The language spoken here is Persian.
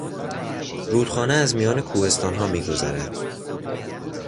رودخانه از میان کوهستانها میگذرد.